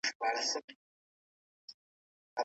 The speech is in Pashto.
موږ په انټرنیټ کې د نړۍ له عالمانو سره نښلو.